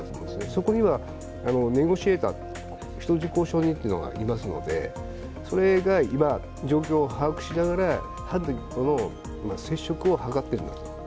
そこにはネゴシエーター、人質交渉人がいますので、それが今、状況を把握しながら犯人との接触を図っているんだと。